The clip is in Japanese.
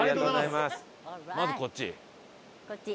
まずこっち。